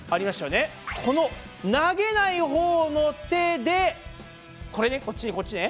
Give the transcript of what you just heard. この投げないほうの手でこれねこっちねこっちね。